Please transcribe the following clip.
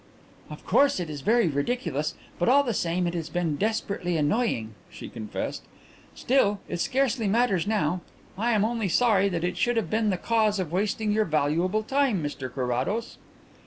"Of course it is very ridiculous, but all the same it has been desperately annoying," she confessed. "Still, it scarcely matters now. I am only sorry that it should have been the cause of wasting your valuable time, Mr Carrados."